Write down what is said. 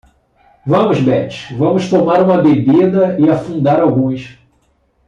Vamos Betty, vamos tomar uma bebida e afundar alguns.